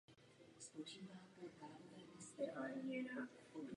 I místní vedení fašistické strany se snažilo žít s Mafií v určité symbióze.